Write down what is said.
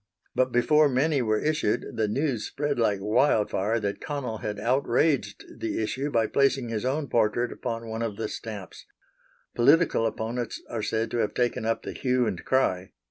But before many were issued the news spread like wildfire that Connell had outraged the issue by placing his own portrait upon one of the stamps. Political opponents are said to have taken up the hue and cry.